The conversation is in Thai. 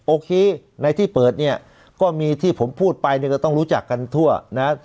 โอเคในที่เปิดเนี่ยก็มีที่ผมพูดไปเนี่ยจะต้องรู้จักกันทั่วนะ